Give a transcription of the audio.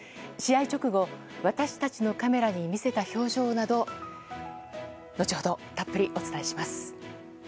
試合直後私たちのカメラに見せた表情など後ほど、たっぷりお伝えします。